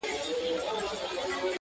• چي نن ولویږي له تخته سبا ګوري -